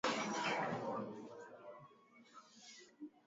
mwigizaji dorothy gibson alishirikishwa kwenye filamu